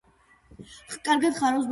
კარგად ხარობს ბათუმის ბოტანიკურ ბაღში.